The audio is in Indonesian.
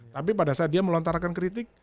tapi pada saat dia melontarkan kritik